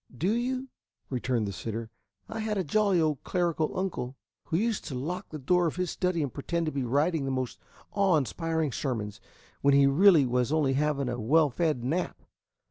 "Do you?" returned the sitter. "I had a jolly old clerical uncle who used to lock the door of his study and pretend to be writing the most awe inspiring sermons, when he really was only having a well fed nap.